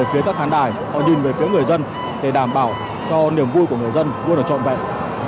phía các khán đài họ nhìn về phía người dân để đảm bảo cho niềm vui của người dân luôn được trọn vẹn